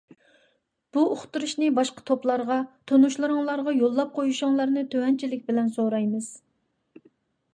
بۇ ئۇقتۇرۇشنى باشقا توپلارغا، تونۇشلىرىڭلارغا يوللاپ قويۇشۇڭلارنى تۆۋەنچىلىك بىلەن سورايمىز.